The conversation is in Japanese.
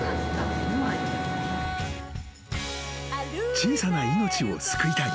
［小さな命を救いたい］